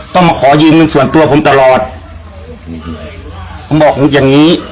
ต้องมาขอยืมเงินส่วนตัวผมตลอดผมบอกหนูอย่างงี้